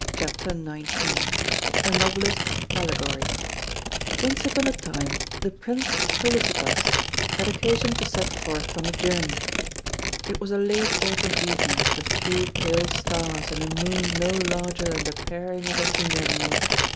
CONCERNING LETTERS A NOVELIST'S ALLEGORY Once upon a time the Prince of Felicitas had occasion to set forth on a journey. It was a late autumn evening with few pale stars and a moon no larger than the paring of a finger nail.